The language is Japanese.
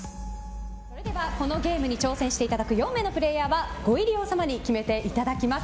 それではこのゲームに挑戦していただく４名のプレーヤーはご入り用様に決めていただきます。